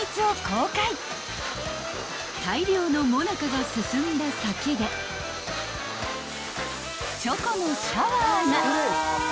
［大量のモナカが進んだ先でチョコのシャワーが］